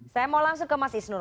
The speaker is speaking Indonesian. saya mau langsung ke mas isnur